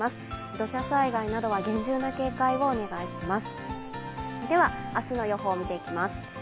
土砂災害などは厳重な警戒をお願いします。